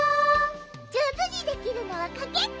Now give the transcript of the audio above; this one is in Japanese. じょうずにできるのはかけっこ！